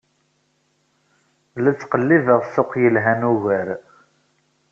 La ttqellibeɣ ssuq yelhan ugar.